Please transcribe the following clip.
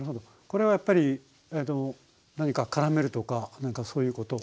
これはやっぱり何かからめるとかなんかそういうこと？